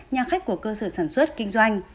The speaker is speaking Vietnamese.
nhà khách của cơ sở sản xuất kinh doanh